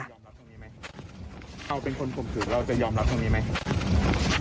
เราเป็นคนข่มขืนเราจะยอมรับตรงนี้ไหม